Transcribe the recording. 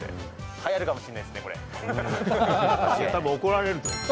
はやるかもしれないですね、間違いない。